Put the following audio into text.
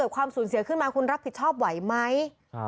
ความสูญเสียขึ้นมาคุณรับผิดชอบไหวไหม